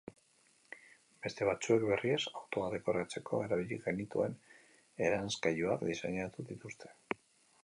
Beste batzuek, berriz, autoa dekoratzeko erabili genituen eranskailuak diseinatu dituzte.